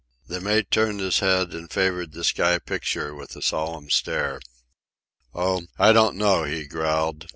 The mate turned his head and favoured the sky picture with a solemn stare. "Oh, I don't know," he growled.